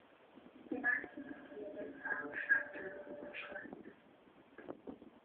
Die meisten Buslinien fahren Stadtgrenzen überschreitend.